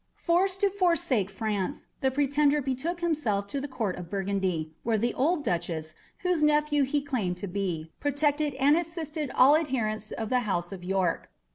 Forced to forsake France, the pretender betook himself to the Court of Burgundy, where the old Duchess, whose nephew he claimed to be, protected and assisted all adherents of the House of York.